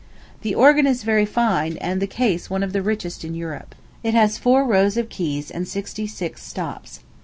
The organ is very fine, and the case one of the richest in Europe. It has four rows of keys and sixty six stops.